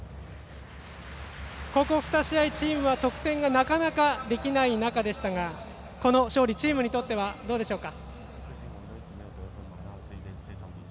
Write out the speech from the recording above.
ここ２試合チームは得点がなかなかできない中でしたがこの勝利チームにとってはどうでしょうか。